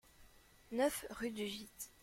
neuf rue du Gite